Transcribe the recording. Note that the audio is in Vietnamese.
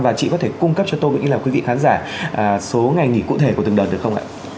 và chị có thể cung cấp cho tôi nghĩ là quý vị khán giả số ngày nghỉ cụ thể của từng đợt được không ạ